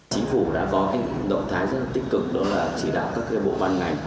chính phủ đã có động thái rất tích cực đó là chỉ đạo các bộ văn ngành